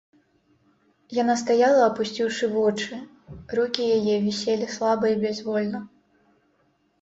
Яна стаяла, апусціўшы вочы, рукі яе віселі слаба і бязвольна.